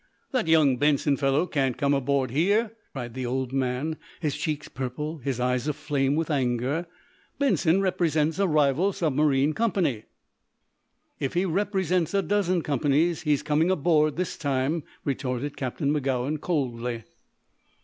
"That young Benson fellow can't come aboard here!" cried the old man, his cheeks purple, his eyes aflame with anger. "Benson represents a rival submarine company!" "If he represents a dozen companies, he's coming aboard this time," retorted Captain Magowan, coldly.